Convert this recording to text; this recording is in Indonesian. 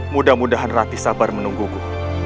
mudah mudahan rati sabar menungguku